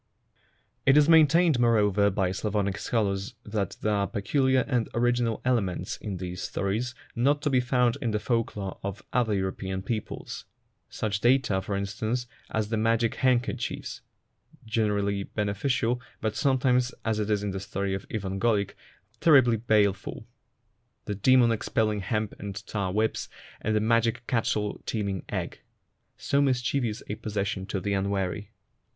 It is maintained, moreover, by Slavonic scholars that there are pecuUar and original elements in these stories not to be found in the folk lore of other European peoples ; such data, for instance, as the magic handkerchiefs (generally beneficial, but some times, as in the story of Ivan Golik, terribly baleful), the demon expelling hemp and tar whips, and the magic cattle teeming egg, so mischievous a possession to the unwary.